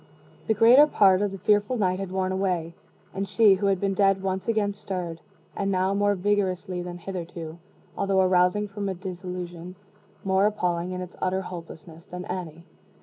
The greater part of the fearful night had worn away, and she who had been dead once again stirred and now more vigorously than hitherto, although arousing from a dissolution more appalling in its utter hopelessness than any.